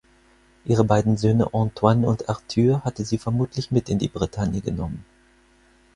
Ihre beiden Söhne Antoine und Arthur hatte sie vermutlich mit in die Bretagne genommen.